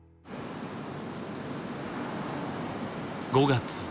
５月。